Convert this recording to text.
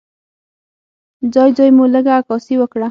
ځای ځای مو لږه عکاسي وکړه.